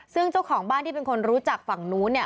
ซึ่งเจ้าของบ้านที่เป็นคนรู้จักฝั่งนู้นเนี่ย